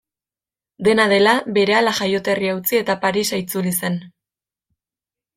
Dena dela, berehala jaioterria utzi eta Parisa itzuli zen.